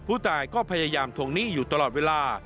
ผู้ตายก็พยายามทวงหนี้อยู่ตลอดเวลา